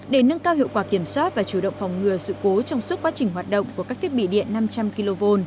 để nâng cao hiệu quả kiểm soát và chủ động phòng ngừa sự cố trong suốt quá trình hoạt động của các thiết bị điện năm trăm linh kv